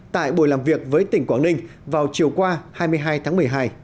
tại buổi làm việc với tỉnh quảng ninh vào chiều qua hai mươi hai tháng một mươi hai